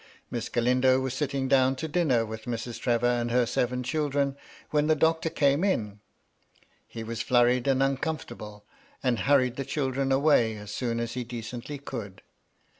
Miss Galindo was sitting down to dinner with Mrs. Trevor and her seven children, when the Doctor came in. He was flurried and uncomfortable, and hurried the children away as soon as he decently could.